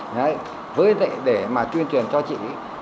với vậy để mà tuyên truyền cho chị